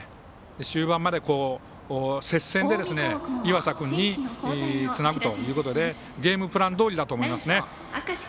終盤まで接線で岩佐君につなぐということでゲームプランどおりだと思います。